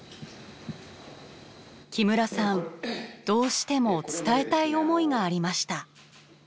木村さんどうしても伝えたい思いがありました。